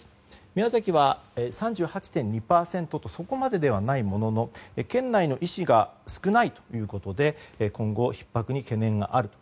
宮崎は３８．２％とそこまでではないものの県内の医師が少ないということで今後、ひっ迫に懸念がある。